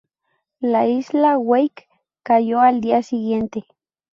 La isla Wake cayó al día siguiente.